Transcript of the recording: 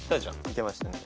いけましたね。